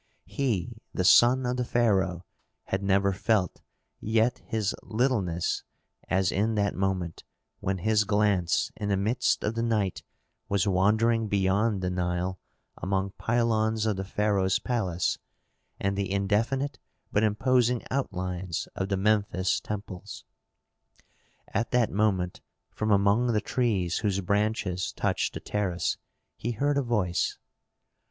He, the son of the pharaoh, had never felt yet his littleness as in that moment, when his glance in the midst of the night was wandering beyond the Nile among pylons of the pharaoh's palace, and the indefinite but imposing outlines of the Memphis temples. At that moment from among the trees whose branches touched the terrace, he heard a voice.